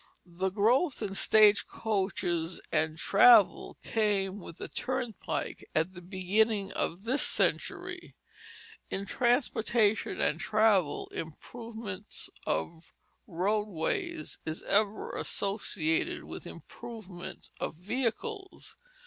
The growth in stage coaches and travel came with the turnpike at the beginning of this century. In transportation and travel, improvement of roadways is ever associated with improvement of vehicles.